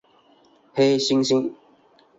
黑猩猩。